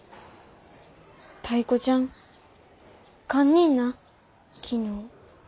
タイ子ちゃん堪忍な昨日。